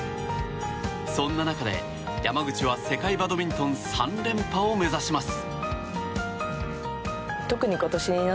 そんな中で、山口は世界バドミントン３連覇を目指します。